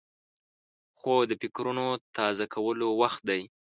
خوب د فکرونو تازه کولو وخت دی